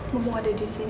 mau mu ada di sini